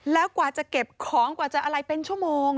แล้วกว่าจะเก็บของกว่าจะอะไรเป็นชั่วโมง